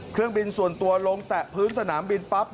เครื่องบินส่วนตัวลงแตะพื้นสนามบินปั๊บ